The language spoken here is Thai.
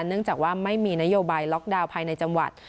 เนื่องจากว่าไม่มีนโยบายล็อกดาวน์ภายในจังหวัด